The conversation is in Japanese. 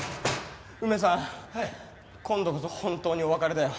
梅さん今度こそ本当にお別れだよ。